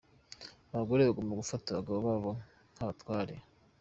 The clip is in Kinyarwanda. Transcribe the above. Abagore bagomba gufata abagabo babo nk’abatware.